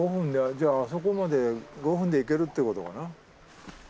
じゃああそこまで５分で行けるってことかな？